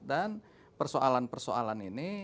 dan persoalan persoalan ini